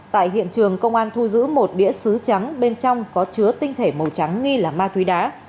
tại hiện trường công an thu giữ một đĩa xứ trắng bên trong có chứa tinh thể màu trắng nghi là ma túy đá